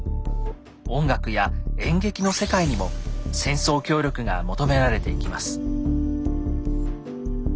音楽や演劇の世界にも戦争協力が求められていきます。